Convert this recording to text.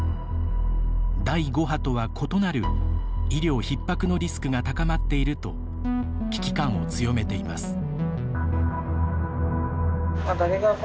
第５波とは異なる医療ひっ迫のリスクが高まっていると危機感を強めています。